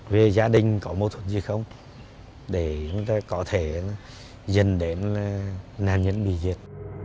về gia đình có mối thuận gì không để chúng ta có thể dân đến nạn nhân bị giết